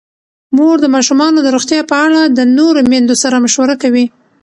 مور د ماشومانو د روغتیا په اړه د نورو میندو سره مشوره کوي.